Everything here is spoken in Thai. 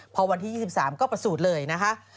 พอวันที่๒๓ก็ประสูจน์เลยนะคะ